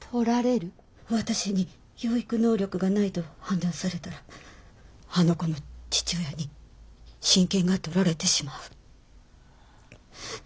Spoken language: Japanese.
私に養育能力がないと判断されたらあの子の父親に親権が取られてしまう。